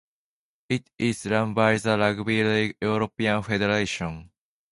It is run by the Rugby League European Federation.